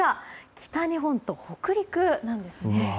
北日本と北陸なんですね。